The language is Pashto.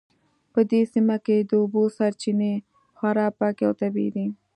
په دې سیمه کې د اوبو سرچینې خورا پاکې او طبیعي دي